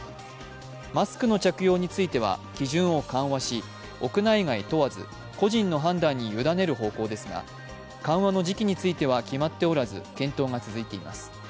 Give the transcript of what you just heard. マスクの着用については、基準を緩和し、屋内外問わず個人の判断に委ねる方向ですが緩和の時期については決まっておらず検討が続いています。